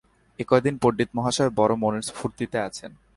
এ কয়দিন পণ্ডিতমহাশয় বড়ো মনের স্ফূর্তিতে আছেন।